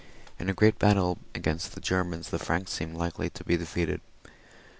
In a great battle against the Germans the Franks seemed likely to be defeated.